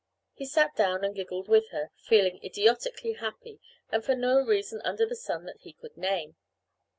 He sat down and giggled with her, feeling idiotically happy and for no reason under the sun that he could name.